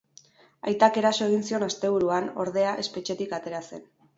Aitak eraso egin zion asteburuan, ordea, espetxetik atera zen.